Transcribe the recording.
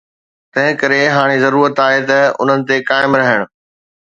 تنهن ڪري هاڻي ضرورت آهي ته انهن تي قائم رهڻ.